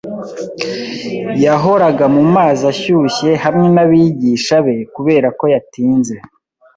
Yahoraga mumazi ashyushye hamwe nabigisha be kuberako yatinze.